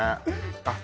あっ